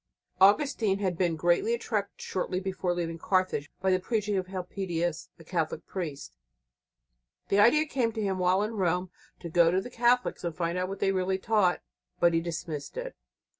Augustine had been greatly attracted shortly before leaving Carthage by the preaching of Helpidius, a Catholic priest. The idea came to him while in Rome to go to the Catholics and find out what they really taught. But he dismissed it.